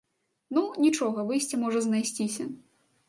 Ну, нічога, выйсце можа знайсціся.